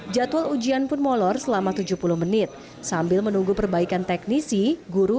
jadwal ujian pun molor selama tujuh puluh menit sambil menunggu perbaikan teknisi guru